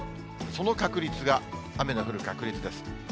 その確率が雨の降る確率です。